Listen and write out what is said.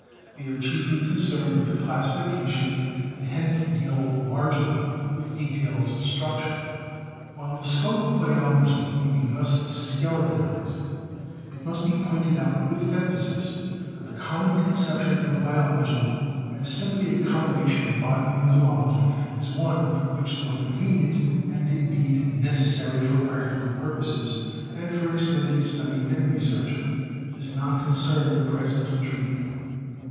They are chiefly concerned with classification and hence deal largely with details of structure. While the scope of biology may be thus skeletonized, it must be pointed out with emphasis that the common con ception of biology as simply a combination of botany and zoology is one which tho convenient and indeed neces sary for practical purposes, and for extended study and re search, does not concern the present treatment.